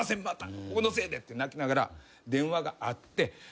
また僕のせいで」って泣きながら電話があって。